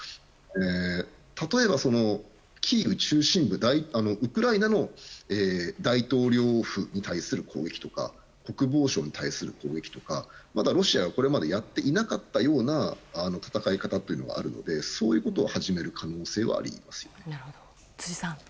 例えば、キーウ中心部ウクライナの大統領府に対する攻撃とか国防省に対する攻撃とかまだロシアがやっていなかったような戦い方があるのでそういうことを始める辻さん。